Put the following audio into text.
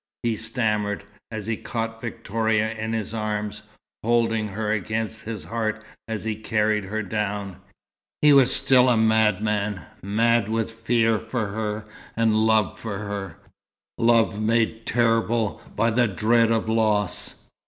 he stammered, as he caught Victoria in his arms, holding her against his heart, as he carried her down. He was still a madman, mad with fear for her, and love for her love made terrible by the dread of loss.